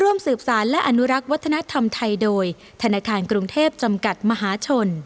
ร่วมสืบสารและอนุรักษ์วัฒนธรรมไทยโดยธนาคารกรุงเทพจำกัดมหาชน